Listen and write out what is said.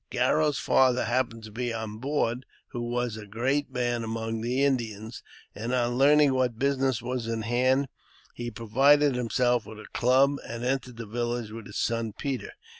Garro's father happened to be on board, who was a great man among the Indians, and, on learning what business was in hand, he provided himself with a club, and entered the village with his son Peter.